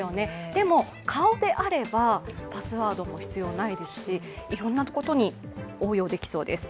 でも顔であれば、パスワードも必要ないですしいろんなことに応用できそうです。